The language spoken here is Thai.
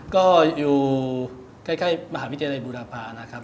ก็อยู่ใกล้มหาวิทยาลัยบูรพานะครับ